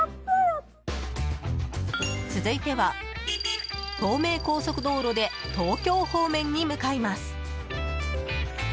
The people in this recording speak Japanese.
続いては、東名高速道路で東京方面に向かいます。